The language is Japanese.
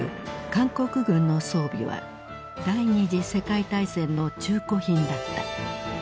韓国軍の装備は第二次世界大戦の中古品だった。